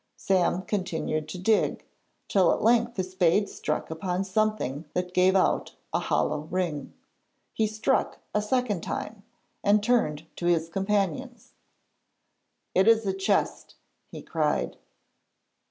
Sam continued to dig, till at length his spade struck upon something that gave out a hollow ring. He struck a second time, and turned to his companions. 'It is a chest,' he cried.